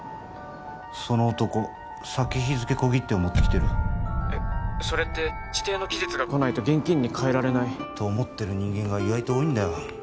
その男先日付小切手を持ってきてる☎えっそれって指定の期日が来ないと現金に換えられないと思ってる人間が意外と多いんだよ